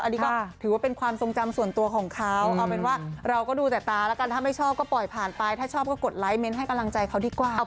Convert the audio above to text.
อันนี้ก็ถือว่าเป็นความทรงจำส่วนตัวของเค้า